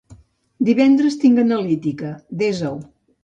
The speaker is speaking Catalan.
Divendres tinc analítica, desa-ho.